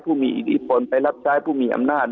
ผู้มีอิทธิพลไปรับใช้ผู้มีอำนาจ